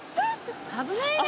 危ないね！